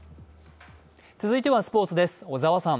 続いてはスポーツです。